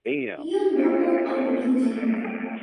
Ён думаў аб другім.